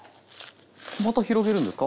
また広げるんですか？